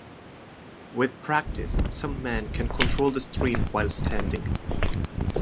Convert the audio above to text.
With practice, some men can control the stream while standing.